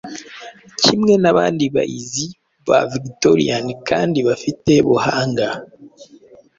Kimwe nabandi baizi ba Victorian-kandi bafite buhanga